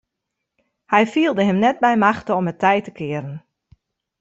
Hy fielde him net by machte om it tij te kearen.